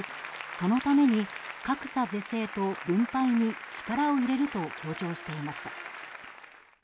そのために格差是正と分配に力を入れると強調していました。